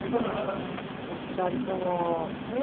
お二人とも。ねぇ。